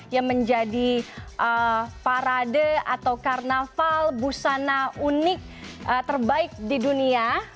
yang menjadi parade atau karnaval busana unik terbaik di dunia